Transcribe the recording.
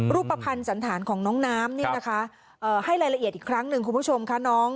รูปภัณฑ์สันธารของน้องน้ำเนี่ยนะคะให้รายละเอียดอีกครั้งหนึ่งคุณผู้ชมค่ะน้อง